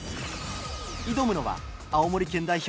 挑むのは青森県代表